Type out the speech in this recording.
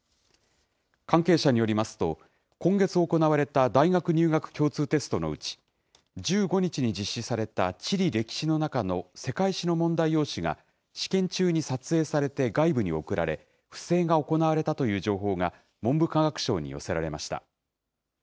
関係者によりますと、今月行われた大学入学共通テストのうち、１５日に実施された地理歴史の中の世界史の問題用紙が、試験中に撮影されて外部に送られ、不正が行われたという情報が、文部科学省に寄せられました。